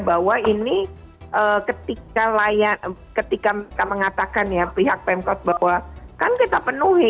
bahwa ini ketika mereka mengatakan ya pihak pemkot bahwa kan kita penuhi